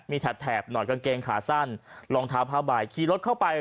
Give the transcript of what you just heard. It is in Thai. มีแถบหน่อยกางเกงขาสั้นรองเท้าผ้าใบขี่รถเข้าไป